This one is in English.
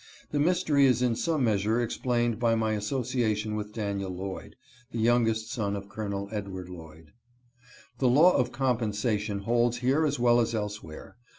The mystery is in some measure explained by my association with Daniel Lloyd, the youngest son of Col. Edward Lloyd. The law of compensation holds here as well as elsewhere.